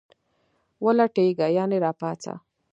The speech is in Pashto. ولټیږه ..یعنی را پاڅه